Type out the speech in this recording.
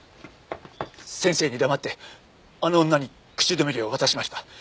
先生に黙ってあの女に口止め料を渡しました。